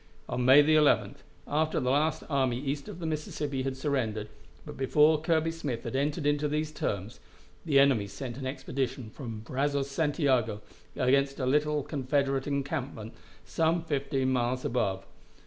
On May 11th, after the last army east of the Mississippi had surrendered, but before Kirby Smith had entered into terms, the enemy sent an expedition from the Brazos Santiago against a little Confederate encampment some fifteen miles above.